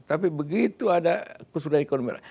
tapi begitu ada kesudahan ekonomi raya